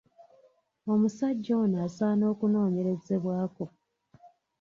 Omusajja ono asaana kunoonyerezebwako.